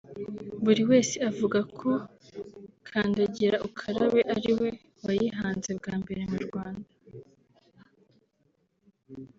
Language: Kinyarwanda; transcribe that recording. buri wese avuga ko “Kandagira Ukarabe” ari we wayihanze bwa mbere mu Rwanda